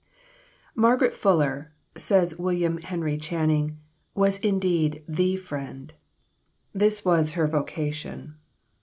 "Margaret Fuller," says William Henry Channing, "was indeed The Friend; this was her vocation."